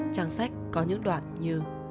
trang sách có những đoạn như